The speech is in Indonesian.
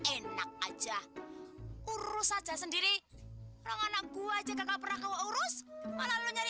enak aja urus aja sendiri orang anak buah aja kakak pernah kau urus malah lo nyari